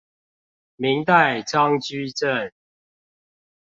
明代張居正